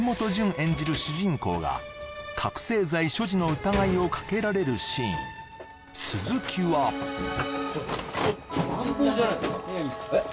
演じる主人公が覚醒剤所持の疑いをかけられるシーン鈴木はちょっと乱暴じゃないですかえっ？